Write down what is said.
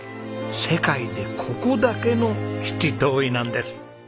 世界でここだけの七島藺なんです。